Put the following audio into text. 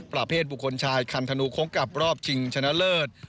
ประเภทบุคคลชายคันธนูโค้งกลับรอบชิงชนะเลิศ